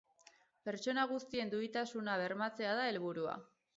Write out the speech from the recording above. Pertsona guztien duintasuna bermatzea da helburua.